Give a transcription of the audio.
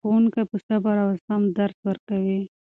ښوونکي په صبر او زغم درس ورکوي.